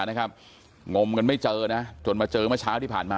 งมกันไม่เจอนะจนมาเจอเมื่อเช้าที่ผ่านมา